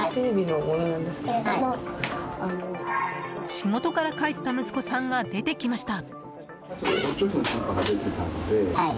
仕事から帰った息子さんが出てきました。